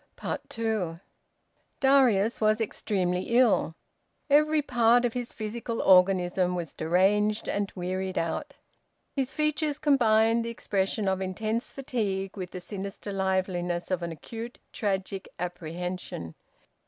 TWO. Darius was extremely ill. Every part of his physical organism was deranged and wearied out. His features combined the expression of intense fatigue with the sinister liveliness of an acute tragic apprehension.